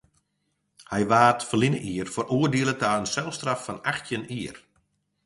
Hy waard ferline jier feroardiele ta in selstraf fan achttjin jier.